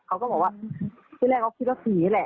เขาก็บอกว่าที่แรกเขาคิดว่าผีนี่แหละ